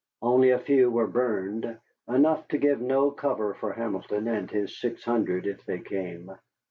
Only a few were burned, enough to give no cover for Hamilton and his six hundred if they came.